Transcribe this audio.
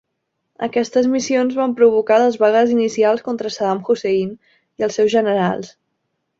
Aquestes missions van provocar les vagues inicials contra Saddam Hussein i els seus generals.